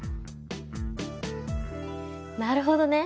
なるほどね。